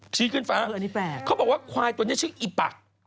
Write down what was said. ชี้ขึ้นฟ้าเขาบอกว่าควายตัวนี้ชื่ออีปะ